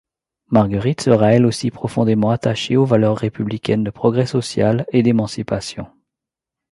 Marguerite sera elle aussi profondément attachée aux valeurs républicaines de progrès social et d'émancipation.